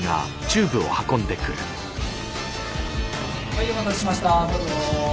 はいお待たせしました。